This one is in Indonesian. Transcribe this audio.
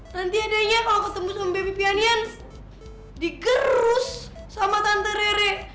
nanti adanya kalau ketemu sama baby pianians dikerus sama tante rere